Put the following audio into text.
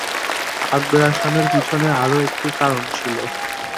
আগ্রাসনের পিছনে আরও একটি কারণ ছিল।